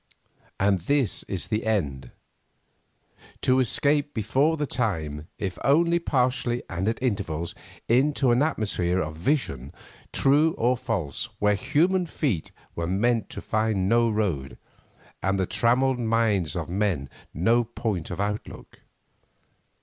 And this is the end—to escape before the time, if only partially and at intervals, into an atmosphere of vision true or false, where human feet were meant to find no road, and the trammelled minds of men no point of outlook.